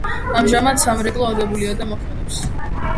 ამჟამად სამრეკლო აგებულია და მოქმედებს.